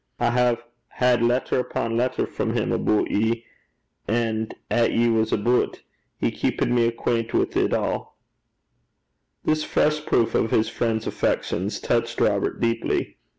I hae had letter upo' letter frae 'im aboot you and a' 'at ye was aboot. He keepit me acquant wi' 't a'.' This fresh proof of his friend's affection touched Robert deeply.